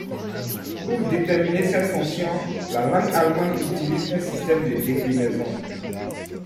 Pour déterminer cette fonction, la langue allemande utilise un système de déclinaisons.